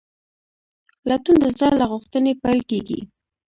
لټون د زړه له غوښتنې پیل کېږي.